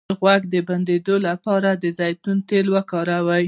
د غوږ د بندیدو لپاره د زیتون تېل وکاروئ